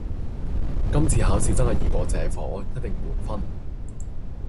今次考試真係易過借火，一定滿分